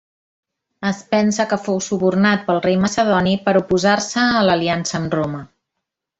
Es pensa que fou subornat pel rei macedoni per oposar-se a l'aliança amb Roma.